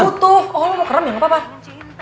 butuh oh lu mau keram ya gak apa apa